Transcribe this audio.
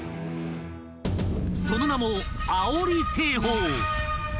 ［その名も］